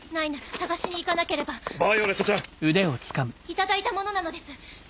頂いた物なのです。